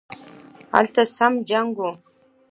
هلته سم جنګ وو